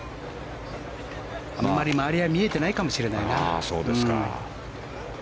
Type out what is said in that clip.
あまり周りは見えてないかもしれないな。